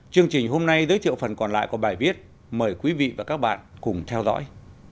chương trình hôm nay giới thiệu phần còn lại của bài viết mời quý vị và các bạn cùng theo dõi